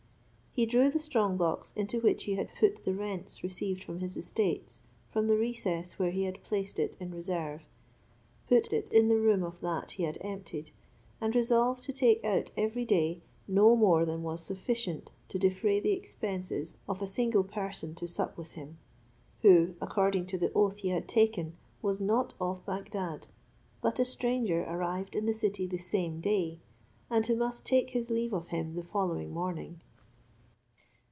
He drew the strong box into which he had put the rents received from his estates from the recess where he had placed it in reserve, put it in the room of that he had emptied, and resolved to take out every day no more than was sufficient to defray the expense of a single person to sup with him, who, according to the oath he had taken, was not of Bagdad, but a stranger arrived in the city the same day, and who must take his leave of him the following morning.